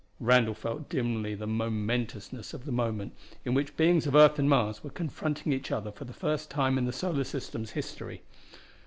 Randall felt dimly the momentousness of the moment, in which beings of earth and Mars were confronting each other for the first time in the solar system's history.